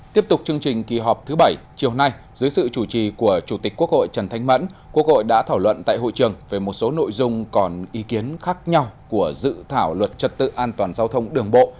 tiếp tục chương trình kỳ họp thứ bảy chiều nay dưới sự chủ trì của chủ tịch quốc hội trần thanh mẫn quốc hội đã thảo luận tại hội trường về một số nội dung còn ý kiến khác nhau của dự thảo luật trật tự an toàn giao thông đường bộ